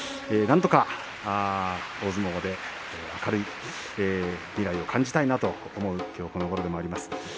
なんとか大相撲で明るい未来を感じたいと思うきょうこのごろでございます。